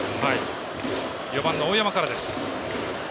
バッター４番の大山からです。